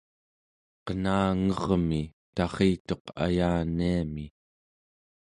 qenange'rmi tarrituq ayaniami